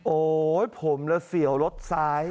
โอ๊ยผมแล้วเสี่ยวรถซ้าย